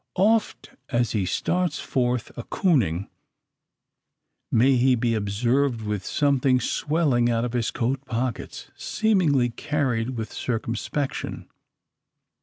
Oft, as he starts forth "a cooning," may he be observed with something swelling out his coat pockets, seemingly carried with circumspection.